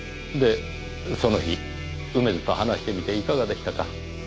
でその日梅津と話してみていかがでしたか？